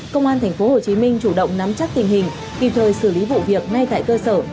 công an tp hcm chủ động nắm chắc tình hình kịp thời xử lý vụ việc ngay tại cơ sở